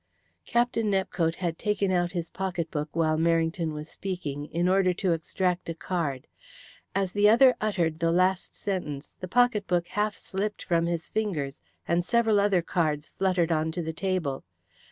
Captain Nepcote had taken out his pocket book while Merrington was speaking, in order to extract a card. As the other uttered the last sentence, the pocket book half slipped from his fingers, and several other cards fluttered onto the table.